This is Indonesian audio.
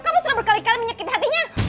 kamu sudah berkali kali menyakiti hatinya